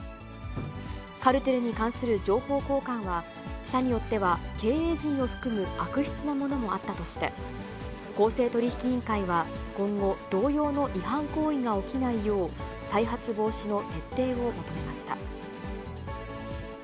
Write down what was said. カルテルに関する情報交換は、社によっては経営陣を含む悪質なものもあったとして、公正取引委員会は今後、同様の違反行為が起きないよう、再発防止の徹底を求めました。